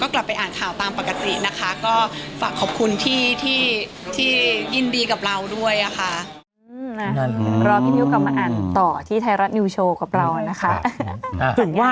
จริงอ่ะไม่เคยได้ไปเพราะมันใช้เวลาไป